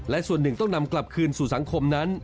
และส่วนหนึ่งต้องนำกลับคืนสู่สังคมนั้น